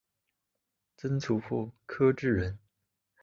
曾祖父柯志仁。